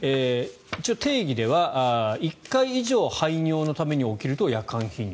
定義では１回以上排尿のために起きると夜間頻尿。